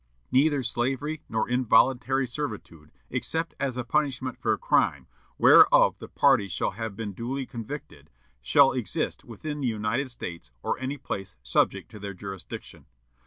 "Neither slavery nor involuntary servitude, except as a punishment for crime, whereof the party shall have been duly convicted, shall exist within the United States, or any place subject to their jurisdiction....